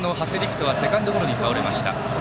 翔はセカンドゴロに倒れました。